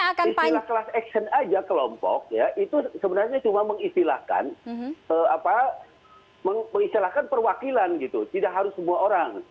istilah class action aja kelompok ya itu sebenarnya cuma mengistilahkan mengistilahkan perwakilan gitu tidak harus semua orang